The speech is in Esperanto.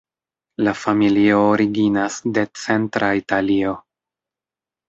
La familio originas de centra Italio.